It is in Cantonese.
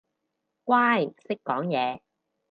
乖，識講嘢